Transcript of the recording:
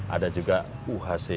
ada juga uhc